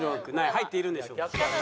入っているんでしょうか？